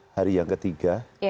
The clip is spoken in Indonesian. hari yang ketiga